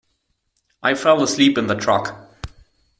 I fell asleep in the truck.